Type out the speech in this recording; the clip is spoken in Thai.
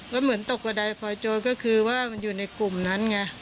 ก็เหมือนตกกระดายคอยโจรก็คือว่ามันอยู่ในกลุ่มนั้นไง